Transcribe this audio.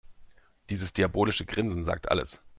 Dieses diabolische Grinsen sagt alles.